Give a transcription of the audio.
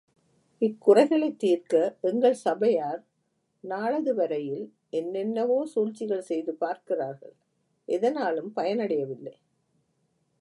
இக்குறைகளைத் தீர்க்க எங்கள் சபையார் நாளது வரையில் என்னென்னவோ சூழ்ச்சிகள் செய்து பார்க்கிறார்கள் எதனாலும் பயனடையவில்லை.